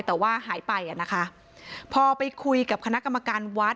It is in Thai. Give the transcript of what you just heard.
แต่ว่าหายไปอ่ะนะคะพอไปคุยกับคณะกรรมการวัด